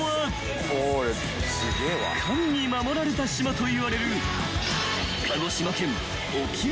［神に守られた島といわれる］